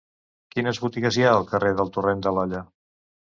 Quines botigues hi ha al carrer del Torrent de l'Olla?